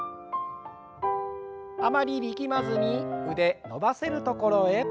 あまり力まずに腕伸ばせるところへ。